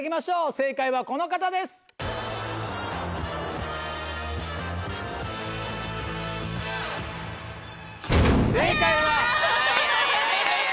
正解はこの方です。正解は。